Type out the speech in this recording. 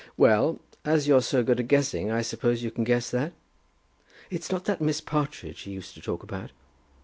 "Well; as you're so good at guessing, I suppose you can guess that?" "It's not that Miss Partridge he used to talk about?"